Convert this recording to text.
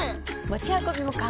持ち運びも簡単！